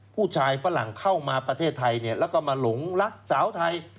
ฝรั่งเข้ามาประเทศไทยแล้วก็มาหลงรักสาวไทย